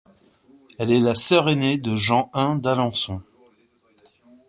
Elle est la sœur aînée de Jean I d'Alençon.